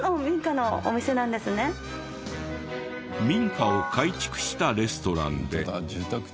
民家を改築したレストランで。